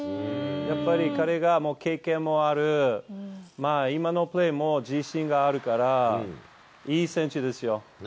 やっぱり彼が経験もある、今のプレーも自信があるから、いい選手ですよ。